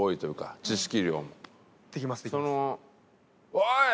「おい！